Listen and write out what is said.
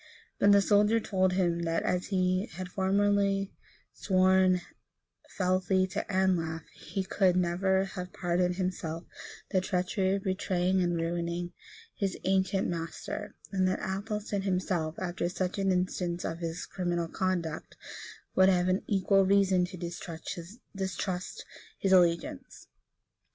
But the soldier told him, that, as he had formerly sworn fealty to Anlaf, he could never have pardoned himself the treachery of betraying and ruining his ancient master; and that Athelstan himself, after such an instance of his criminal conduct, would have had equal reason to distrust his allegiance.